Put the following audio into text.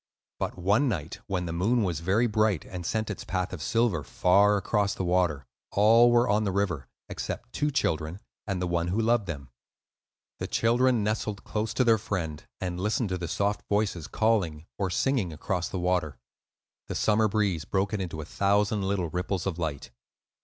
But one night, when the moon was very bright and sent its path of silver far across the water, all were on the river, except two children and one who loved them. The children nestled close to their friend, and listened to the soft voices calling or singing across the water. The summer breeze broke it into a thousand little ripples of light.